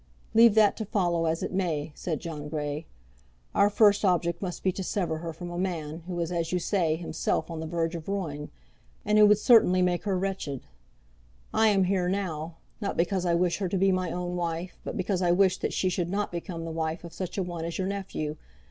"Leave that to follow as it may," said John Grey. "Our first object must be to sever her from a man, who is, as you say, himself on the verge of ruin; and who would certainly make her wretched. I am here now, not because I wish her to be my own wife, but because I wish that she should not become the wife of such a one as your nephew.